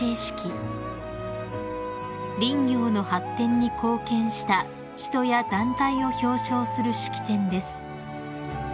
［林業の発展に貢献した人や団体を表彰する式典です］